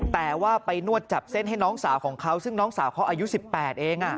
แต่ว่าไปนวดจับเส้นให้น้องสาวของเขาซึ่งน้องสาวเขาอายุ๑๘เอง